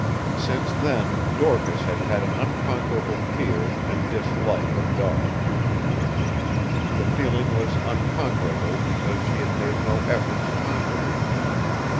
Since then Dorcas had had an unconquerable fear and dislike of dogs. The feeling was unconquerable because she had made no effort to conquer it.